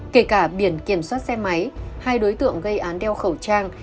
kể cả biển kiểm soát xe máy hai đối tượng gây án đeo khẩu trang